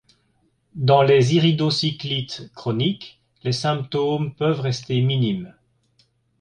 Dans les iridocyclites chroniques, les symptômes peuvent rester minimes.